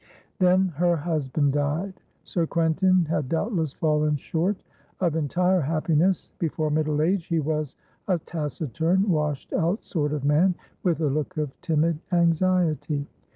Then her husband died. Sir Quentin had doubtless fallen short of entire happiness; before middle age he was a taciturn, washed out sort of man, with a look of timid anxiety.